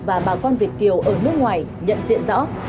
và bà con việt kiều ở nước ngoài nhận diện rõ